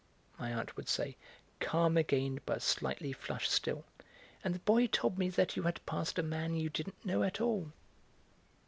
my aunt would say, calm again but slightly flushed still; "and the boy told me that you had passed a man you didn't know at all!"